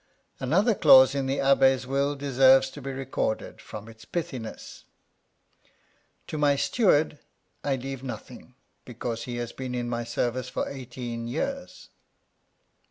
Another clause in the Abba's will deserves to be recorded, from its pithiness : To my steward, I leave nothing; because he has been in my service for eighteen years.